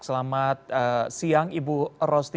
selamat siang ibu rosti